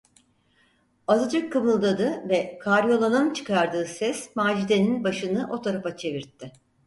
Azıcık kımıldadı ve karyolanın çıkardığı ses Macide’nin başını o tarafa çevirtti.